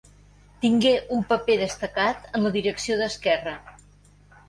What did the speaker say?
Tingué un paper destacat en la direcció d'Esquerra.